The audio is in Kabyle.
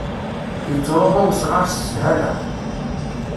Yettṛuɣu wesɣaṛ s sshala.